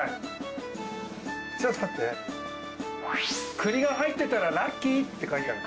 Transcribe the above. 栗が入ってたらラッキーって書いてある。